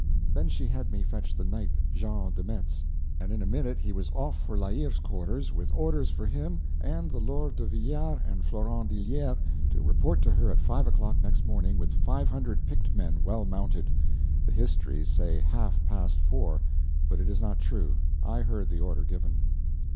Then she had me fetch the knight Jean de Metz, and in a minute he was off for La Hire's quarters with orders for him and the Lord de Villars and Florent d'Illiers to report to her at five o'clock next morning with five hundred picked men well mounted. The histories say half past four, but it is not true, I heard the order given.